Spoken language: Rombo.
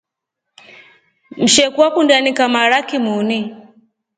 Msheku akundi anika maraki muuni.